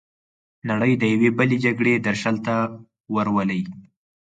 نړۍ د یوې بلې جګړې درشل ته ورولي.